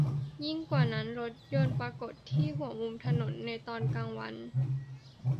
ยิ่งกว่านั้น รถยนต์ปรากฏที่หัวมุมถนนในตอนกลางวัน